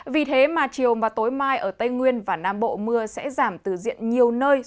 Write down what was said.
vì thế mà chiều và tối mai ở tây nguyên và nam bộ mưa sẽ giảm từ diện nhiều nơi